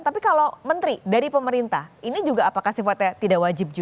tapi kalau menteri dari pemerintah ini juga apakah sifatnya tidak wajib juga